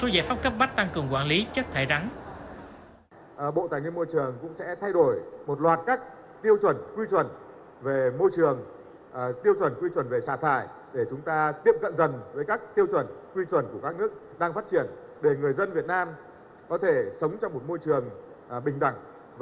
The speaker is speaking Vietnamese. chấp bắt tăng cường quản lý chất thải rắn